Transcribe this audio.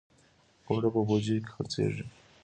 اوړه په بوجیو کې خرڅېږي